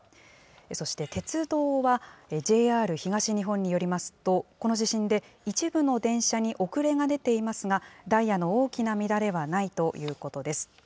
そして鉄道は、ＪＲ東日本によりますと、この地震で一部の電車に遅れが出ていますが、ダイヤの大きな乱れはないということです。